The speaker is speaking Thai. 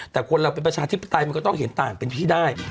แต่คนเราเป็นประชาธิปไตยมันก็ต้องเห็นต่างเป็นที่ได้